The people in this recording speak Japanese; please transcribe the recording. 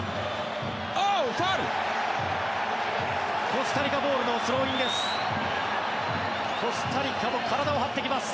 コスタリカボールのスローインです。